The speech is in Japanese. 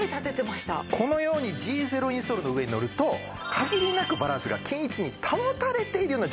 このようにＧゼロインソールの上にのると限りなくバランスが均一に保たれているような状態になる。